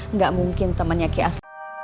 enggak mungkin temannya kias